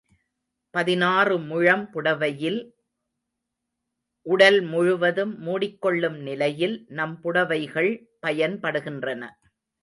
பதினாறு முழம் புடவையில் உடல் முழுவதும் மூடிக்கொள்ளும் நிலையில் நம் புடவைகள் பயன்படுகின்றன.